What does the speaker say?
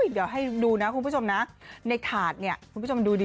เดี๋ยวให้ดูนะคุณผู้ชมนะในถาดเนี่ยคุณผู้ชมดูดิ